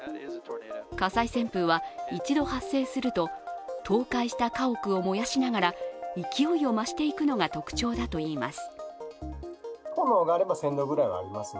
火災旋風は一度発生すると倒壊した家屋を燃やしながら勢いを増していくのが特徴だといいます。